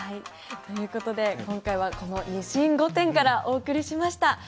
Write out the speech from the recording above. ということで今回はこのニシン御殿からお送りしました。